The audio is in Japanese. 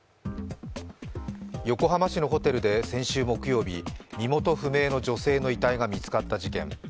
横浜市のホテルで先週木曜日、身元不明の女性の遺体が見つかった事件。